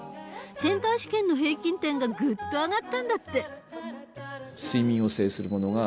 センター試験の平均点がぐっと上がったんだって。